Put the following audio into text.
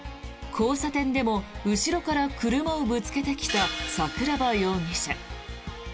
交差点でも後ろから車をぶつけてきた桜庭容疑者。